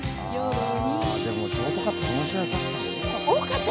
でもショートカットこの時代、確かに多かった。